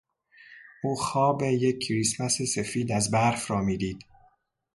او خواب یک کریسمس سفید از برف را میدید.